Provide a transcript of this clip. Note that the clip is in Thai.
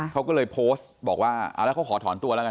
เขาก็เลยโพสต์บอกว่าเอาแล้วเขาขอถอนตัวแล้วกัน